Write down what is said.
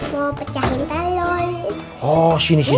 mau pecahin talon